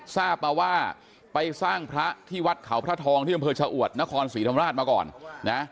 ทราบมาว่าไปสร้างพระที่วัดเขาพระทองที่อำเภอชะอวดนครศรีธรรมราชมาก่อนนะ